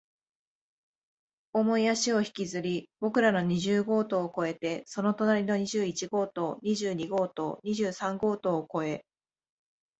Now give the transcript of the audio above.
重い足を引きずり、僕らの二十号棟を越えて、その隣の二十一号棟、二十二号棟、二十三号棟を越え、